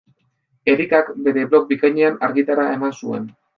Erikak bere blog bikainean argitara eman zuen.